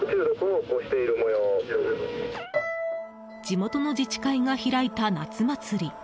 地元の自治会が開いた夏祭り。